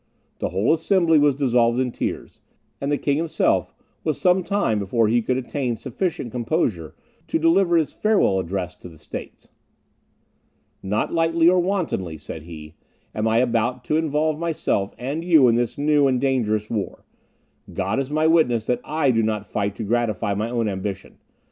The whole assembly was dissolved in tears, and the King himself was some time before he could attain sufficient composure to deliver his farewell address to the States. "Not lightly or wantonly," said he, "am I about to involve myself and you in this new and dangerous war; God is my witness that I do not fight to gratify my own ambition.